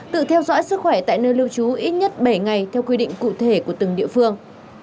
tự theo dõi sức khỏe tại nơi lưu trú ít nhất bảy ngày theo quy định cụ thể của từng địa phương